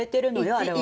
あれは。